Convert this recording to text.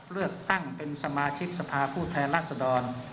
เลือกตั้งเป็นสมาชิกสภาผู้แทนรัศดร